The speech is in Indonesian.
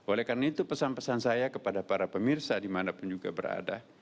oleh karena itu pesan pesan saya kepada para pemirsa dimanapun juga berada